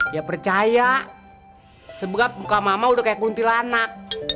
ya percaya sebab muka emak udah kayak kuntilanak